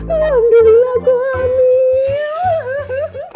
alhamdulillah aku hamil